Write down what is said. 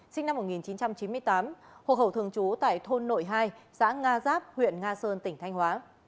sinh năm một nghìn chín trăm chín mươi tám hộ khẩu thường trú tại thôn nội hai xã nga giáp huyện nga sơn tỉnh thanh hóa